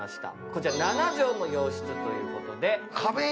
こちら７畳の洋室ということで。